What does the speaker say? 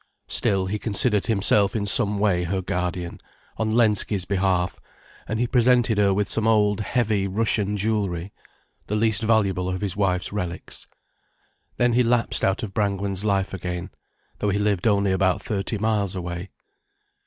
Still, he considered himself in some way her guardian, on Lensky's behalf, and he presented her with some old, heavy Russian jewellery, the least valuable of his wife's relics. Then he lapsed out of the Brangwen's life again, though he lived only about thirty miles away.